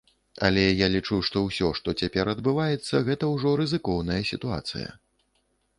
Але я лічу, што ўсё, што цяпер адбываецца, гэта ўжо рызыкоўная сітуацыя.